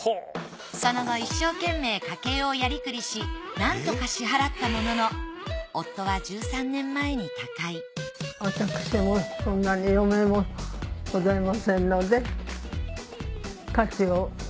その後一生懸命家計をやりくりしなんとか支払ったものの夫は１３年前に他界私もそんなに余命もございませんので。